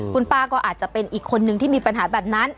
คุณป้าก็อาจจะเป็นอีกคนนึงที่มีปัญหาแบบนั้น